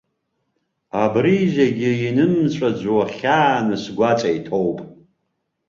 Абри зегьы инымҵәаӡо хьааны сгәаҵа иҭоуп.